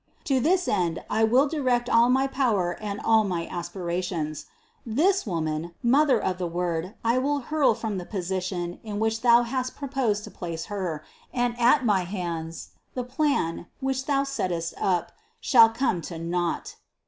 To this end I will direct all my power and all my aspirations. And this Woman, Mother of the Word, I will hurl from the position in which Thou hast proposed to place Her, and at my hands, the plan, which Thou settest up, shall come to naught."